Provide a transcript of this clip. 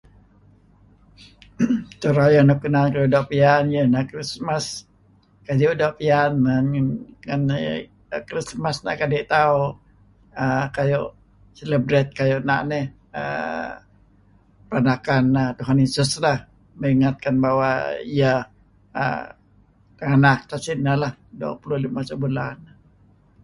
Edto rayeh nuk inan uih doo' piyan iyeh neh Christmas. Kadi' uih doo' piyan ngan Christmas neh kadi' tauh err kayu' celebrate kayu' na' nih err peranakan Yesus lah kadi' ingat iyah tenganak so sineh lah duah pulu' limah so bulan.